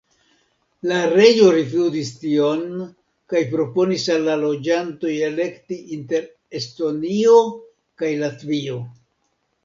La reĝo rifuzis tion kaj proponis al la loĝantoj elekti inter Estonio kaj Latvio.